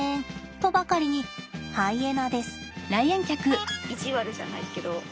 とばかりにハイエナです。